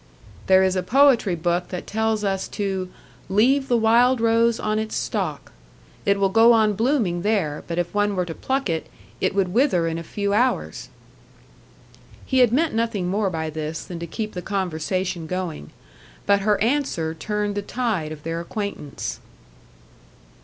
"There is a poetry book that tells us to 'leave the wild rose on its stalk.' It will go on blooming there; but if one were to pluck it, it would wither in a few hours." He had meant nothing more by this than to keep the conversation going. But her answer turned the tide of their acquaintance.